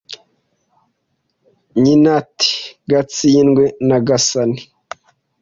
”.Nyina ati”gatsindwe n’agasani